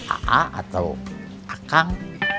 a a atau a kang